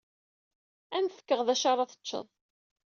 Ad am-fkeɣ d acu ara teččeḍ.